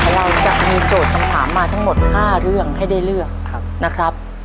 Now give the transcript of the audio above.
เราจะมีโจทย์คำถามมาทั้งหมด๕เรื่องให้ได้เลือกนะครับ